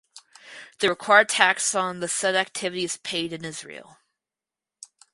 The required tax on the said activity is paid in Israel.